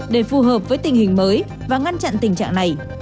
để phù hợp với tình hình mới và ngăn chặn tình trạng này